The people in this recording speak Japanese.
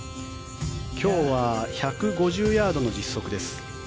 今日は１５０ヤードの実測です。